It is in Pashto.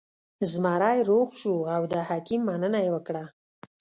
زمری روغ شو او د حکیم مننه یې وکړه.